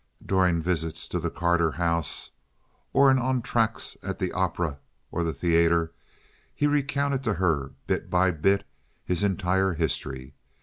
During visits to the Carter house or in entr'actes at the opera or the theater, he recounted to her bit by bit his entire history.